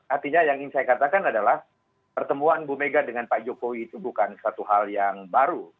artinya yang ingin saya katakan adalah pertemuan bu mega dengan pak jokowi itu bukan suatu hal yang baru